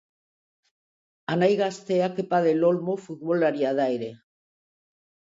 Anai gaztea Kepa del Olmo futbolaria da ere.